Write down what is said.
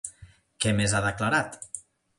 Què més ha declarat?